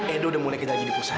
edo udah mulai kejar lagi di pusat